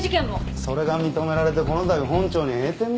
それが認められてこのたび本庁に栄転だぞ。